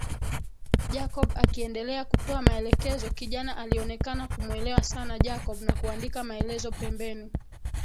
Jacob akiendelea kutoa maelekezo kijana alionekana kumuelewa sana Jacob na kuandika maelezo pembeni